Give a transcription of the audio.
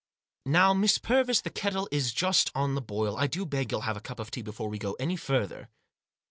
" Now, Miss Purvis, the kettle is just on the boil. I do beg you'll have a cup of tea before we go any further."